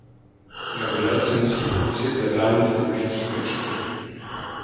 Gabriel se musí pokusit zabránit použití pečetě.